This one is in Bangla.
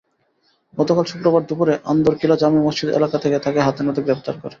গতকাল শুক্রবার দুপুরে আন্দরকিল্লা জামে মসজিদ এলাকা থেকে তাঁকে হাতেনাতে গ্রেপ্তার করে।